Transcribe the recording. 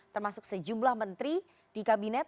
termasuk sejumlah menteri di kabinet